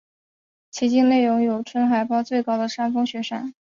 其境内有永春海报最高的山峰雪山。